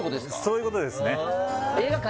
そういうことですね映画館